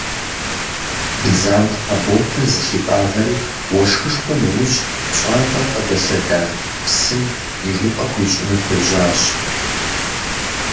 Бдзантхьэ ботэр зылъитӏагъэри уэшхышхуэм иужь пщӏантӏэм къыдэлъэда псым ижыпӏэ хуищӏыну хуежьащ.